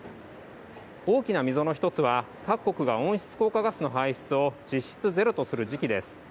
大きな溝の一つは、各国が温室効果ガスの排出を実質ゼロとする時期です。